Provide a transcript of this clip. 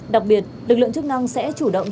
đặc biệt lực lượng chức năng sẽ chủ động